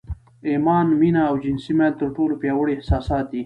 ايمان، مينه او جنسي ميل تر ټولو پياوړي احساسات دي.